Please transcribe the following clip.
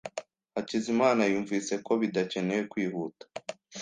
Hakizimana yumvise ko bidakenewe kwihuta.